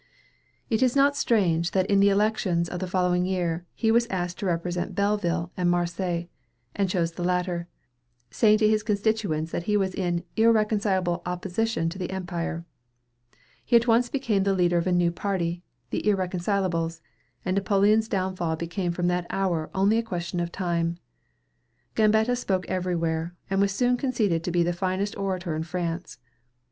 It is not strange that in the elections of the following year, he was asked to represent Belleville and Marseilles, and chose the latter, saying to his constituents that he was in "irreconcilable opposition to the Empire." He at once became the leader of a new party, the "Irreconcilables," and Napoleon's downfall became from that hour only a question of time. Gambetta spoke everywhere, and was soon conceded to be the finest orator in France.